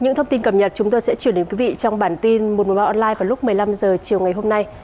những thông tin cập nhật chúng tôi sẽ chuyển đến quý vị trong bản tin một trăm một mươi ba online vào lúc một mươi năm h chiều ngày hôm nay